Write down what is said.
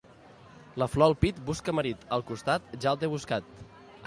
La flor al pit, busca marit; al costat ja el té buscat.